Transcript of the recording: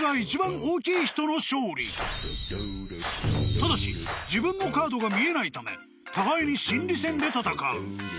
［ただし自分のカードが見えないため互いに心理戦で戦う］